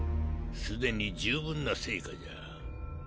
既に十分な成果じゃ。